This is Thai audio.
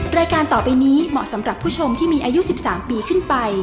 รายการต่อไปนี้เหมาะสำหรับผู้ชมที่มีอายุ๑๓ปีขึ้นไป